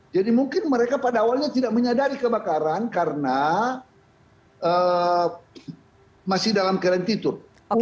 jadi mungkin mereka pada awalnya tidak menyadari kebakaran karena masih dalam kerentitur